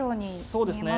そうですね。